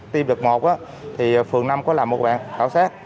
tiêm đợt một thì phường năm có làm một bản khảo sát